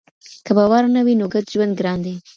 که باور نه وي نو ګډ ژوند ګران دی.